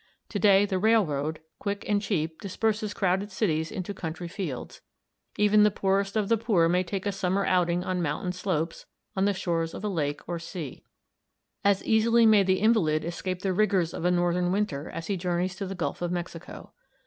To day the railroad, quick and cheap, disperses crowded cities into country fields: even the poorest of the poor may take a summer outing on mountain slopes, on the shores of lake or sea. As easily may the invalid escape the rigors of a Northern winter as he journeys to the Gulf of Mexico.